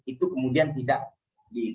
itu kemudian tidak diinginkan